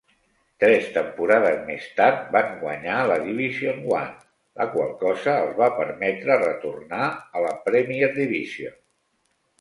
Tres temporades més tard, van guanyar la Division One, la qual cosa els va permetre retornar a la Premier Division.